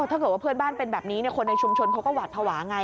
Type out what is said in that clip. ถ้าเกิดว่าเพื่อนบ้านเป็นแบบนี้คนในชุมชนเขาก็หวาดภาวะไง